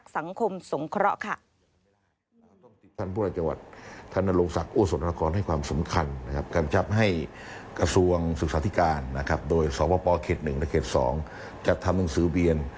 สพเขต๑และเขต๒จัดทำหนังสือเบียน